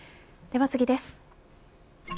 では次です。